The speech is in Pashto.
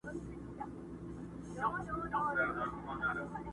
دا د هجر شپې به ټولي پرې سبا کړو،